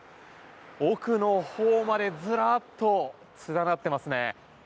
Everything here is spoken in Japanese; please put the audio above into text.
多くのほうまでずらっと連なってますね。